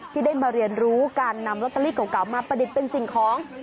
ที่ได้มาเรียนรู้การนำลอตเตอรี่เก่ามาประดิษฐ์เป็นสิ่งของ